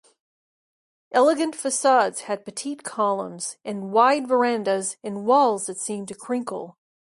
Elegant facades had petite columns and wide verandas and walls that seemed to crinkle.